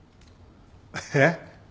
えっ？